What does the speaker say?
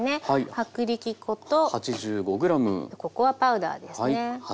薄力粉とココアパウダーですね。